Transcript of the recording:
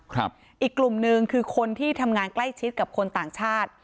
อีกกลุ่มหนึ่งคือคนที่ทำงานใกล้ชิดกับคนต่างชาติ